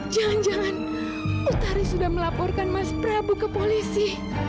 jangan jangan utari sudah melaporkan mas prabu ke polisi